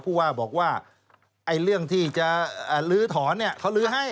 ผู้ว่าบอกว่าเรื่องที่จะลื้อถอนเขาลื้อให้